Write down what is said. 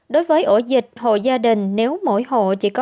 đối với ổ dịch hộ gia đình nếu mỗi hộ chỉ có